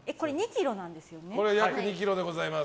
約２ｋｇでございます。